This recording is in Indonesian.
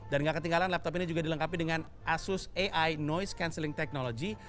dan gak ketinggalan laptop ini juga dilengkapi dengan asus ai noise cancelling technology